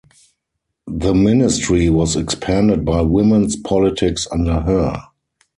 The ministry was expanded by women's politics under her.